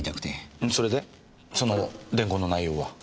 それでその伝言の内容は？